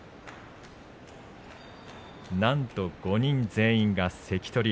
なんと、５人全員が関取。